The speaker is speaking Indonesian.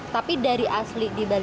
tapi dari asli di bali